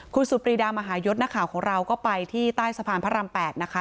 คุณสุดปรีดามหายศนักข่าวของเราก็ไปที่ใต้สะพานพระราม๘นะคะ